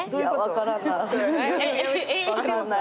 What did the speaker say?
分かんないな。